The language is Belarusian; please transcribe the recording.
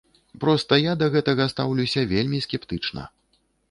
Проста я да гэтага стаўлюся вельмі скептычна.